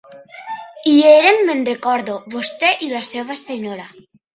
Hi eren, me'n recordo, vostè i la seva senyora.